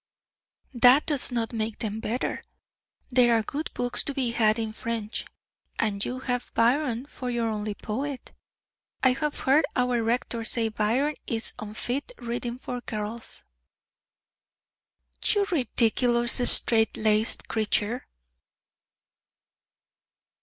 "That does not make them better. There are good books to be had in French; and you have Byron for your only poet. I have heard our rector say Byron is unfit reading for girls." "You ridiculous, strait laced creature!"